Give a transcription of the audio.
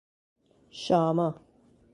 Sharma.